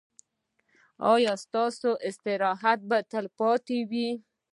ایا ستاسو استراحت به تلپاتې وي؟